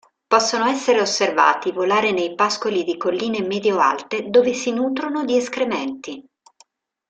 Possono essere osservati volare nei pascoli di colline medio-alte, dove si nutrono di escrementi.